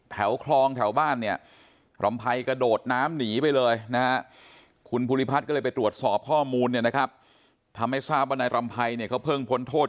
สอบข้อมูลเนี่ยนะครับทำให้ทราบว่านายรำไพยเนี่ยเขาเพิ่งพ้นโทษ